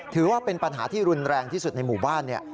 ถือว่าเป็นปัญหาที่รุนแรงที่สุดในหมู่บ้าน